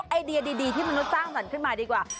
ไอเดียดีที่มนุษย์สร้างสรรค์ขึ้นมาดีกว่า